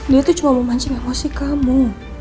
dia tuh cuma memancing emosi kamu